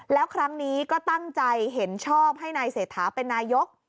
แล้วครั้งนี้ก็ตั้งใจเห็นชอบให้นายเศรษฐาเป็นนายก